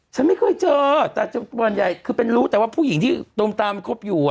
ฉันไม่เคยเจอแต่ส่วนใหญ่คือเป็นรู้แต่ว่าผู้หญิงที่ตมตามันคบอยู่